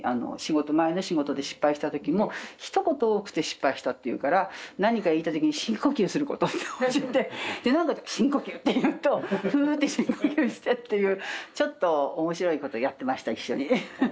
前の仕事で失敗した時もひと言多くて失敗したって言うから何か言いたい時に深呼吸することって教えてなんかあると「深呼吸！」っていうと「ふ」って深呼吸してっていうちょっと面白いことやってました一緒に。